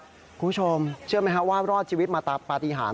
คุณผู้ชมเชื่อไหมครับว่ารอดชีวิตมาปฏิหาร